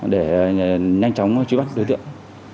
để nhanh chóng truy bắt đối tượng